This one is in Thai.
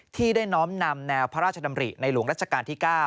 ที่ได้น้อมนำแนวพระราชดำริในหลวงรัชกาลที่๙